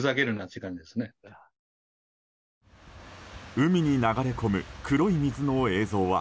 海に流れ込む黒い水の映像は